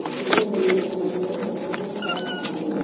زه د میوو په موضوعاتو کې هم کار کړی.